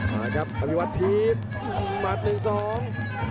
มาครับทวีวัฒน์ทีบหมัดหนึ่งสอง